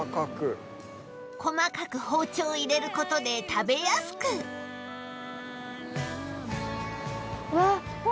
細かく包丁を入れることで食べやすくうわっわ！